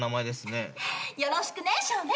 よろしくね少年！